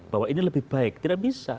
bahwa ini lebih baik tidak bisa